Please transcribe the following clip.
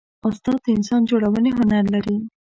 استاد د انسان جوړونې هنر لري.